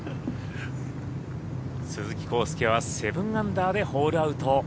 鈴木晃祐は７アンダーでホールアウト。